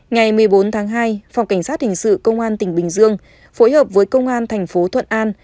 ngày một mươi bốn tháng hai phòng cảnh sát hình sự công an tỉnh bình dương phối hợp với công an thành phố thuận an